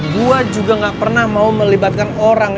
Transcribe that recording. gua juga ga pernah mau melibatkan orang